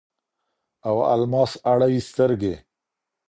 او الماس اړوي سترګي